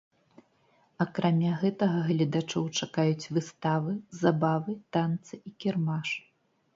Акрамя гэтага гледачоў чакаюць выставы, забавы, танцы і кірмаш.